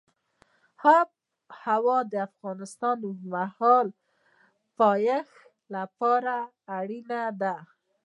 آب وهوا د افغانستان د اوږدمهاله پایښت لپاره اړینه ده.